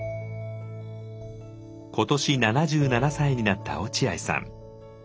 今年７７歳になった落合さん。